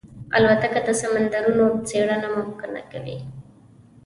الوتکه د سمندرونو څېړنه ممکنه کوي.